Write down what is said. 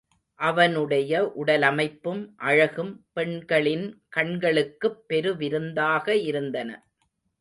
அவனுடைய உடலமைப்பும் அழகும் பெண்களின் கண்களுக்குப் பெருவிருந்தாக இருந்தன.